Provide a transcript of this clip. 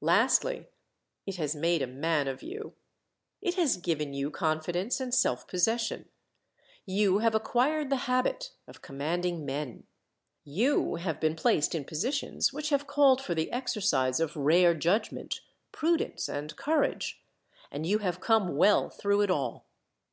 Lastly, it has made a man of you. It has given you confidence and self possession. You have acquired the habit of commanding men. You have been placed in positions which have called for the exercise of rare judgment, prudence, and courage; and you have come well through it all.